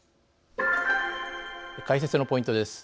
解説のポイントです。